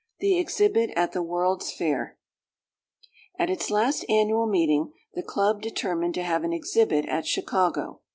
The Exhibit at the World's Fair At its last annual meeting the Club determined to have an exhibit at Chicago.